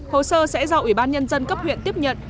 hồ sơ sẽ do ủy ban nhân dân cấp huyện tiếp nhận